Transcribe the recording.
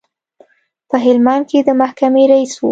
په هلمند کې د محکمې رئیس و.